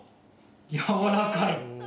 やわらかい。